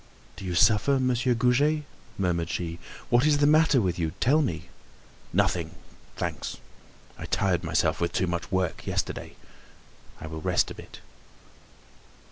"Do you suffer, Monsieur Goujet?" murmured she. "What is the matter with you? Tell me!" "Nothing, thanks. I tired myself with too much work yesterday. I will rest a bit."